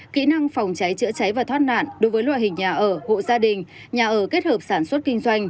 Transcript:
kỹ năng phòng cháy chữa cháy và thoát nạn đối với loại hình nhà ở hộ gia đình nhà ở kết hợp sản xuất kinh doanh